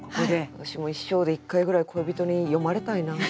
わしも一生で一回ぐらい恋人に詠まれたいな。